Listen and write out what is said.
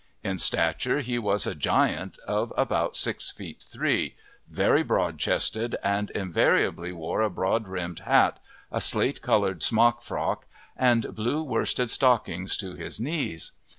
In stature he was a giant of about six feet three, very broad chested, and invariably wore a broad brimmed hat, a slate coloured smock frock, and blue worsted stockings to his knees.